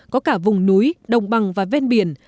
có cả vùng núi đồng bằng và ven biển